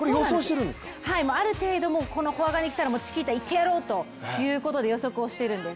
ある程度フォア側に来たらチキータいってやろうということで予測をしているんです。